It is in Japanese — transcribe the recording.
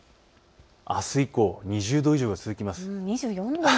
あす以降、２０度以上が続きます。